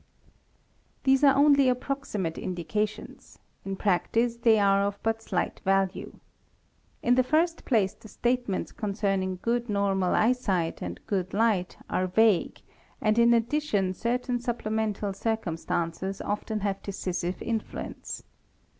These are only approximate indications ; in practice they are of but ight value. In the first place the statements concerning good normal ey yesight and good light are vague and in addition certain supplemental . ircumstances often have decisive influence.